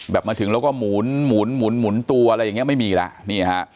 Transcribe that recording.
แบบมาถึงแล้วก็หมุนหมุนหมุนหมุนตัวอะไรอย่างเงี้ยไม่มีล่ะนี่ฮะ